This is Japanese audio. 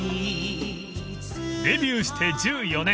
［デビューして１４年］